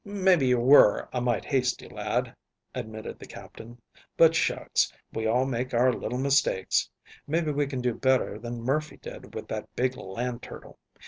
"Maybe you were a mite hasty, lad," admitted the Captain; "but shucks, we all make our little mistakes. Maybe we can do better than Murphy did with that big land turtle.